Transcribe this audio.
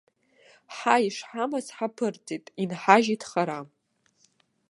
Ҳа ишҳамаз ҳаԥырҵит, инҳажьит хара!